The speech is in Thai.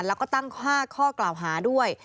แล้วก็ตั้ง๕ข้อกล่าวหาด้วย